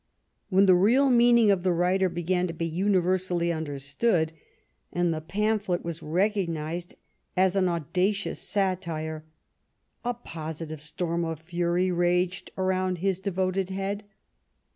When the real meaning of the writer began to be universally understood and the pamphlet was recog nized as an audacious satire, a positive storm of fury raged around his devoted head.